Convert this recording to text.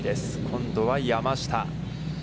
今度は山下。